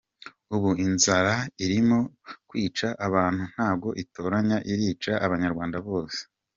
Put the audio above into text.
Ubu inzara irimo kwica abantu ntago itoranya irica abanyarwanda bose.